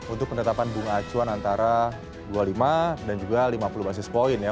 untuk penetapan bunga acuan antara dua puluh lima dan juga lima puluh basis point ya